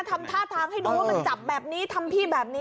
ทำท่าทางให้ดูว่ามันจับแบบนี้ทำพี่แบบนี้